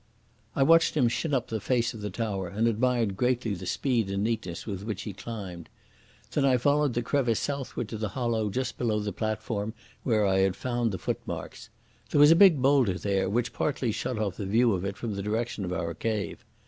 I watched him shin up the face of the tower, and admired greatly the speed and neatness with which he climbed. Then I followed the crevice southward to the hollow just below the platform where I had found the footmarks. There was a big boulder there, which partly shut off the view of it from the direction of our cave.